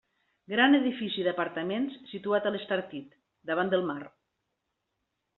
Gran edifici d'apartaments situat a l'Estartit, davant del mar.